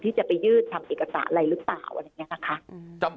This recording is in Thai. ที่จะไปยืดทำเอกสารอะไรหรือเปล่าอะไรอย่างนี้นะคะ